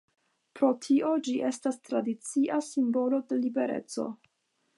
Pro tio, ĝi estas tradicia simbolo de libereco.